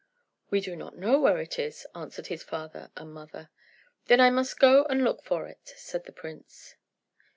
"We do not know where it is," answered his father and mother. "Then I must go and look for it," said the prince.